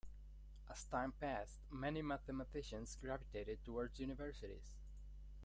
As time passed, many mathematicians gravitated towards universities.